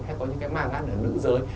hay có những cái màng ngăn ở nữ giới